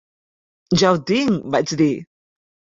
"Ja ho tinc", vaig dir.